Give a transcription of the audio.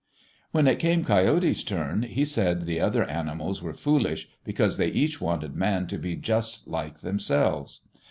When it came Coyote's turn, he said the other animals were foolish because they each wanted man to be just like themselves.